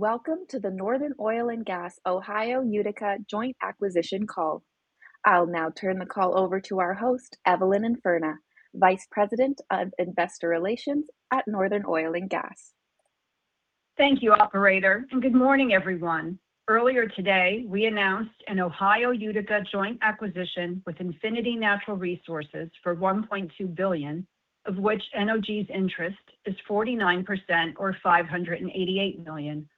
Welcome to the Northern Oil and Gas Ohio-Utica Joint Acquisition Call. I'll now turn the call over to our host, Evelyn Infurna, Vice President of Investor Relations at Northern Oil and Gas. Thank you, Operator, and good morning, everyone. Earlier today, we announced an Ohio-Utica Joint Acquisition with Infinity Natural Resources for $1.2 billion, of which NOG's interest is 49% or $588 million.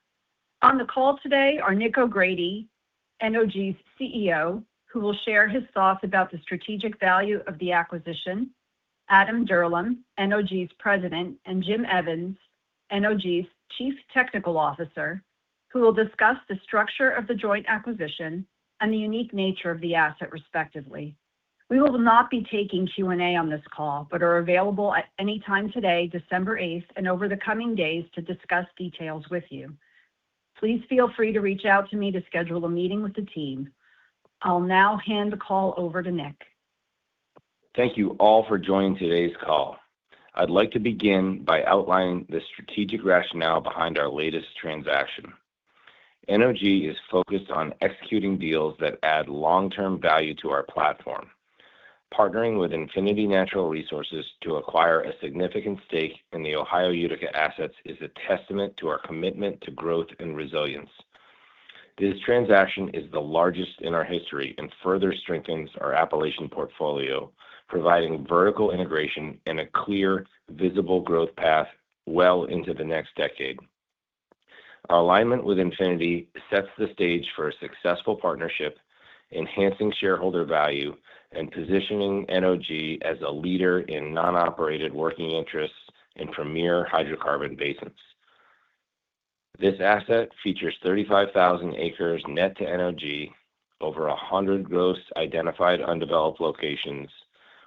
On the call today are Nick O'Grady, NOG's CEO, who will share his thoughts about the strategic value of the acquisition, Adam Durlam, NOG's President, and Jim Evans, NOG's Chief Technical Officer, who will discuss the structure of the joint acquisition and the unique nature of the asset, respectively. We will not be taking Q&A on this call but are available at any time today, December 8th, and over the coming days to discuss details with you. Please feel free to reach out to me to schedule a meeting with the team. I'll now hand the call over to Nick. Thank you all for joining today's call. I'd like to begin by outlining the strategic rationale behind our latest transaction. NOG is focused on executing deals that add long-term value to our platform. Partnering with Infinity Natural Resources to acquire a significant stake in the Ohio Utica assets is a testament to our commitment to growth and resilience. This transaction is the largest in our history and further strengthens our Appalachian portfolio, providing vertical integration and a clear, visible growth path well into the next decade. Our alignment with Infinity sets the stage for a successful partnership, enhancing shareholder value and positioning NOG as a leader in non-operated working interests in premier hydrocarbon basins. This asset features 35,000 acres net to NOG, over 100 gross identified undeveloped locations,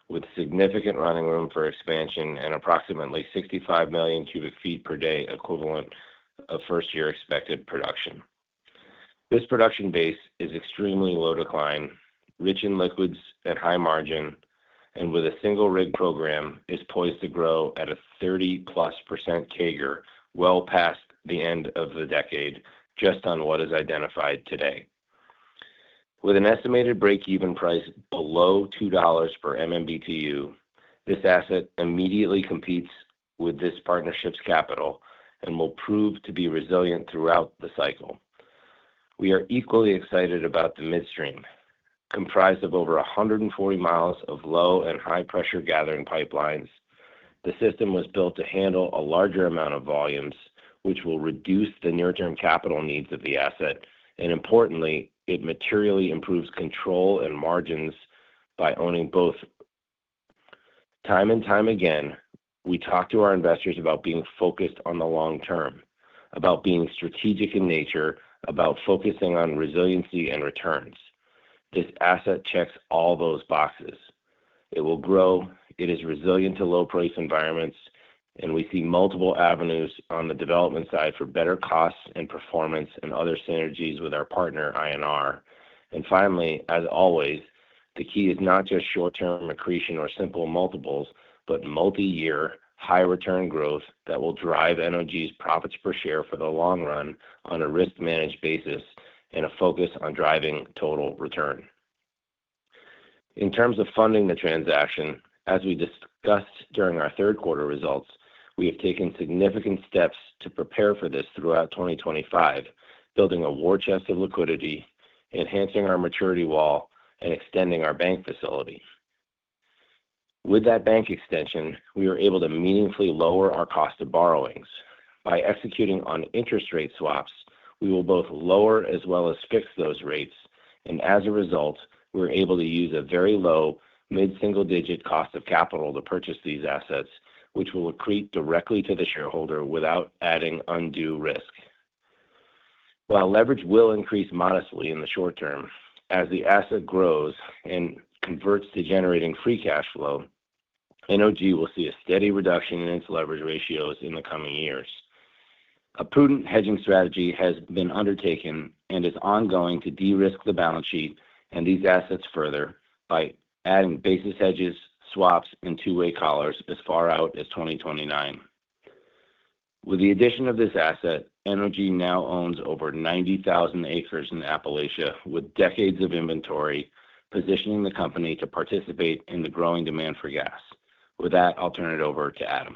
with significant running room for expansion and approximately 65 million cubic feet per day equivalent of first-year expected production. This production base is extremely low decline, rich in liquids at high margin, and with a single rig program, is poised to grow at a 30-plus% CAGR well past the end of the decade, just on what is identified today. With an estimated break-even price below $2 per MMBTU, this asset immediately competes with this partnership's capital and will prove to be resilient throughout the cycle. We are equally excited about the midstream. Comprised of over 140 miles of low and high-pressure gathering pipelines, the system was built to handle a larger amount of volumes, which will reduce the near-term capital needs of the asset, and importantly, it materially improves control and margins by owning both. Time and time again, we talk to our investors about being focused on the long term, about being strategic in nature, about focusing on resiliency and returns. This asset checks all those boxes. It will grow, it is resilient to low-price environments, and we see multiple avenues on the development side for better costs and performance and other synergies with our partner, INR. And finally, as always, the key is not just short-term accretion or simple multiples, but multi-year, high-return growth that will drive NOG's profits per share for the long run on a risk-managed basis and a focus on driving total return. In terms of funding the transaction, as we discussed during our third quarter results, we have taken significant steps to prepare for this throughout 2025, building a war chest of liquidity, enhancing our maturity wall, and extending our bank facility. With that bank extension, we were able to meaningfully lower our cost of borrowings. By executing on interest rate swaps, we will both lower as well as fix those rates, and as a result, we're able to use a very low, mid-single-digit cost of capital to purchase these assets, which will accrete directly to the shareholder without adding undue risk. While leverage will increase modestly in the short term, as the asset grows and converts to generating free cash flow, NOG will see a steady reduction in its leverage ratios in the coming years. A prudent hedging strategy has been undertaken and is ongoing to de-risk the balance sheet and these assets further by adding basis hedges, swaps, and two-way collars as far out as 2029. With the addition of this asset, NOG now owns over 90,000 acres in Appalachia, with decades of inventory, positioning the company to participate in the growing demand for gas. With that, I'll turn it over to Adam.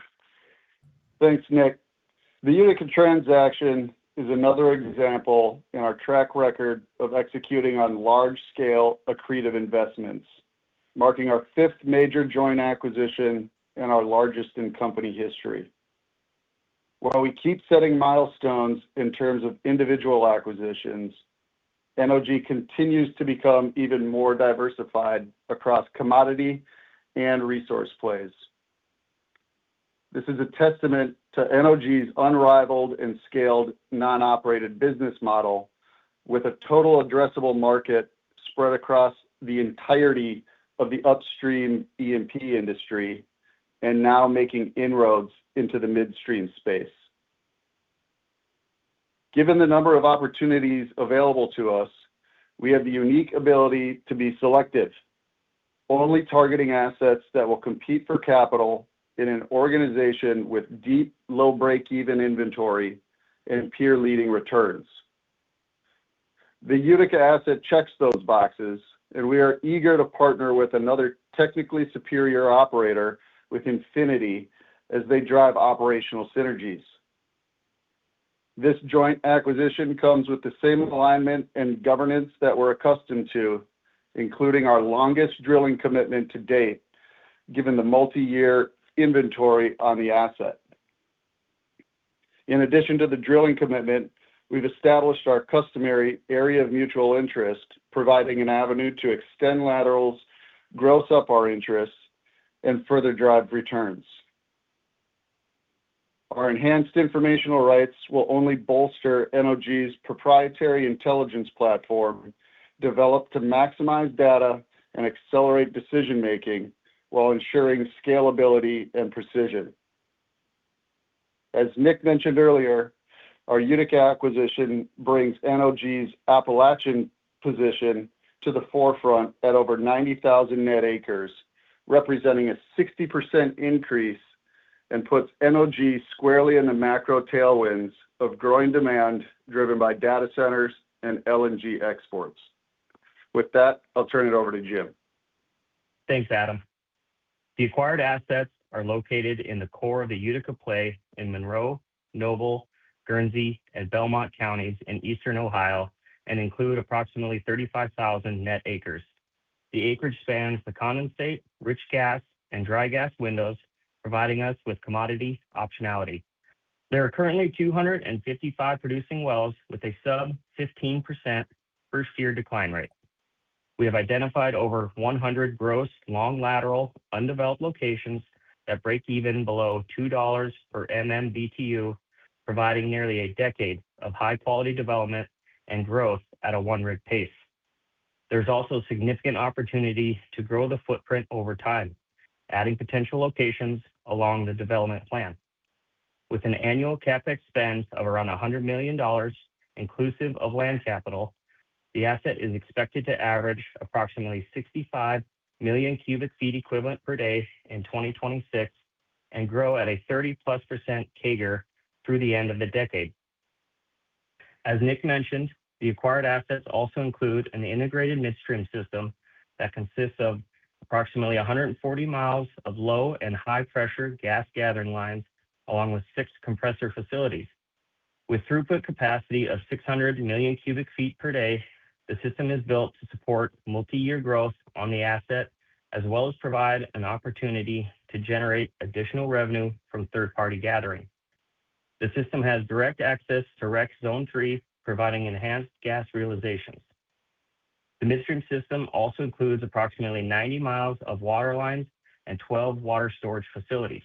Thanks, Nick. The Utica transaction is another example in our track record of executing on large-scale accretive investments, marking our fifth major joint acquisition and our largest in company history. While we keep setting milestones in terms of individual acquisitions, NOG continues to become even more diversified across commodity and resource plays. This is a testament to NOG's unrivaled and scaled non-operated business model, with a total addressable market spread across the entirety of the upstream E&P industry and now making inroads into the midstream space. Given the number of opportunities available to us, we have the unique ability to be selective, only targeting assets that will compete for capital in an organization with deep, low break-even inventory and peer-leading returns. The Utica asset checks those boxes, and we are eager to partner with another technically superior operator with Infinity as they drive operational synergies. This joint acquisition comes with the same alignment and governance that we're accustomed to, including our longest drilling commitment to date, given the multi-year inventory on the asset. In addition to the drilling commitment, we've established our customary area of mutual interest, providing an avenue to extend laterals, gross up our interests, and further drive returns. Our enhanced informational rights will only bolster NOG's proprietary intelligence platform, developed to maximize data and accelerate decision-making while ensuring scalability and precision. As Nick mentioned earlier, our Utica acquisition brings NOG's Appalachian position to the forefront at over 90,000 net acres, representing a 60% increase, and puts NOG squarely in the macro tailwinds of growing demand driven by data centers and LNG exports. With that, I'll turn it over to Jim. Thanks, Adam. The acquired assets are located in the core of the Utica play in Monroe, Noble, Guernsey, and Belmont counties in eastern Ohio and include approximately 35,000 net acres. The acreage spans the condensate, rich gas, and dry gas windows, providing us with commodity optionality. There are currently 255 producing wells with a sub-15% first-year decline rate. We have identified over 100 gross long lateral undeveloped locations that break even below $2 per MMBTU, providing nearly a decade of high-quality development and growth at a one-rig pace. There's also significant opportunity to grow the footprint over time, adding potential locations along the development plan. With an annual CapEx spend of around $100 million, inclusive of land capital, the asset is expected to average approximately 65 million cubic feet equivalent per day in 2026 and grow at a 30-plus% CAGR through the end of the decade. As Nick mentioned, the acquired assets also include an integrated midstream system that consists of approximately 140 miles of low and high-pressure gas gathering lines, along with six compressor facilities. With throughput capacity of 600 million cubic feet per day, the system is built to support multi-year growth on the asset, as well as provide an opportunity to generate additional revenue from third-party gathering. The system has direct access to REX Zone 3, providing enhanced gas realizations. The midstream system also includes approximately 90 miles of water lines and 12 water storage facilities.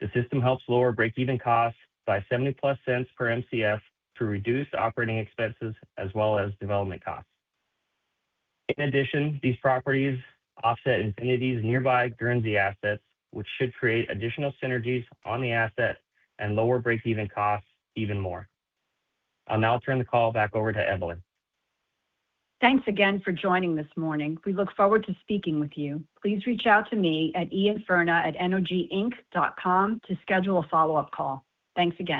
The system helps lower break-even costs by $0.70-plus per MCF to reduce operating expenses as well as development costs. In addition, these properties offset Infinity's nearby Guernsey assets, which should create additional synergies on the asset and lower break-even costs even more. I'll now turn the call back over to Evelyn. Thanks again for joining this morning. We look forward to speaking with you. Please reach out to me at einfurna@noginc.com to schedule a follow-up call. Thanks again.